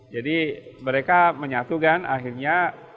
jadi mereka menyatukan akhirnya